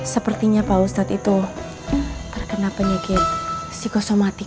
sepertinya pak ustadz itu terkena penyakit psikosomatik